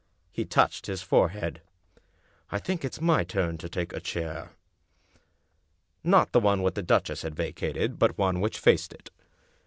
He touched his forehead. " I think it's my turn to take a chair." Not the one which the duchess had vacated, but one which faced it.